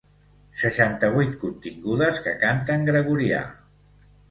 Seixanta-vuit contingudes que canten gregorià.